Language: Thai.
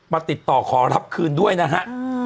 ติดต่อขอรับคืนด้วยนะฮะ